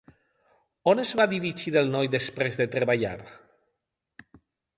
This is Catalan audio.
On es va dirigir el noi després de treballar?